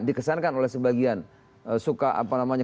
dikesankan oleh sebagian suka apa namanya